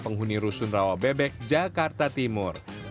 penghuni rusun rawabebek jakarta timur